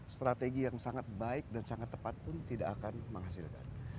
strategi yang sangat baik dan sangat tepat pun tidak akan menghasilkan